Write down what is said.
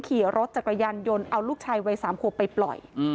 ขี่รถจักรยานยนต์เอาลูกชายวัย๓ขวบไปปล่อย